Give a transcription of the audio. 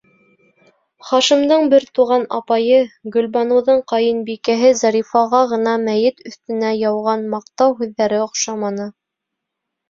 Хашимдың бер туған апайы, Гөлбаныуҙың ҡайынбикәһе Зарифаға ғына мәйет өҫтөнә яуған маҡтау һүҙҙәре оҡшаманы: